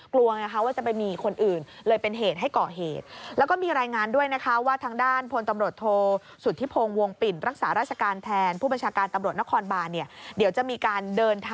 คือจะต้องไลฟ์วีดีโอคอล